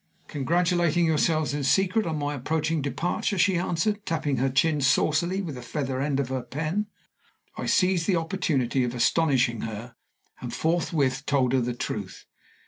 "Congratulating yourselves in secret on my approaching departure," she answered, tapping her chin saucily with the feather end of her pen. I seized the opportunity of astonishing her, and forthwith told her the truth.